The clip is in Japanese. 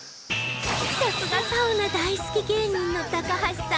さすがサウナ大好き芸人の高橋さん